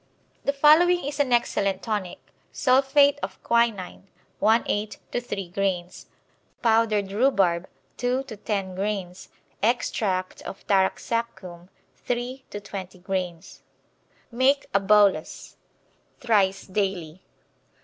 The following is an excellent tonic: Sulphate of quinine, 1/8 to 3 grains; powdered rhubarb, 2 to 10 grains; extract of taraxacum, 3 to 20 grains; make a bolus. Thrice daily.